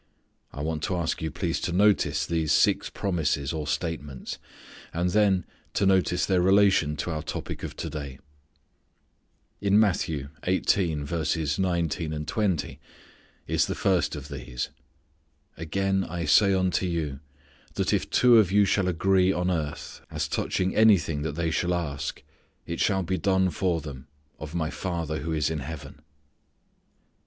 I want to ask you please to notice these six promises or statements; and then, to notice their relation to our topic of to day. In Matthew 18:19, 20, is the first of these. "Again I say unto you, that if two of you shall agree on earth, as touching anything that they Shall ask, it shall be done for them of My Father who is in heaven."